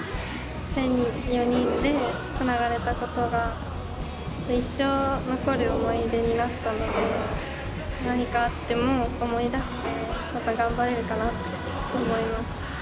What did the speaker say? １，００４人でつながれたことが一生残る思い出になったので何かあっても思い出してまた頑張れるかなって思います。